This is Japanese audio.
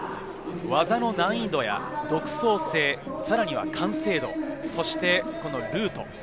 技の難易度や独創性、さらには完成度、そしてルート。